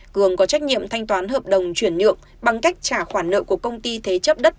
cường có trách nhiệm thanh toán hợp đồng chuyển nhượng bằng cách trả khoản nợ của công ty thế chấp đất